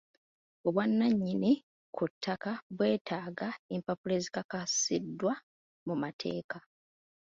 Obwannannyini ku ttaka bwetaaga empapula ezikakasiddwa mu mateeka.